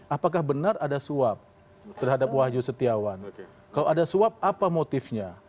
apakah benar ada suap terhadap wahyu setiawan kalau ada suap apa motifnya